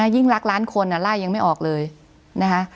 ยิ่งรักล้านคนไล่ยังไม่ออกเลยนะคะ